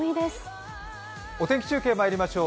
お天気中継まいりましょう。